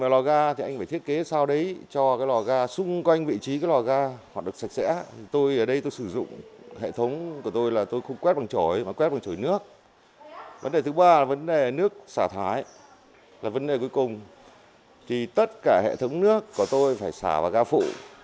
là vấn đề cuối cùng thì tất cả hệ thống nước của tôi phải xả vào ga phụ